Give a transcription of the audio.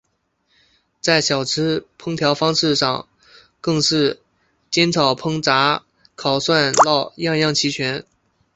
在小吃烹调方式上更是煎炒烹炸烤涮烙样样齐全。